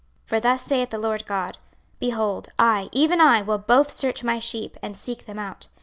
26:034:011 For thus saith the Lord GOD; Behold, I, even I, will both search my sheep, and seek them out.